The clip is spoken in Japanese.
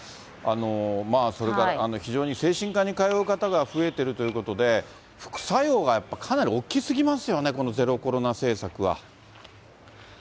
それから非常に、精神科に通う方が増えてるということで、副作用がやっぱりかなり大きすぎますよね、そうですね。